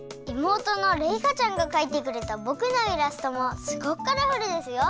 妹のれいかちゃんがかいてくれたぼくのイラストもすごくカラフルですよ！